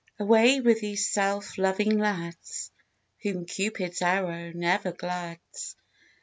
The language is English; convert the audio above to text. Away with these self loving lads Whom Cupid's arrow never glads!